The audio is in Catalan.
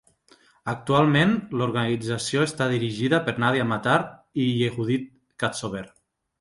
Actualment, l'organització està dirigida per Nadia Matar i Yehudit Katsover.